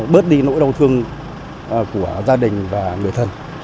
bớt đi nỗi đau thương của gia đình và người thân